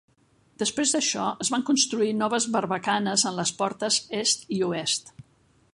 Després d'això, es van construir noves barbacanes en les portes est i oest.